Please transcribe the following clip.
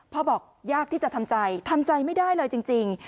บอกยากที่จะทำใจทำใจไม่ได้เลยจริง